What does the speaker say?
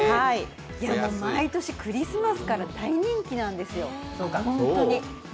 毎年クリスマスから大人気なんですよ。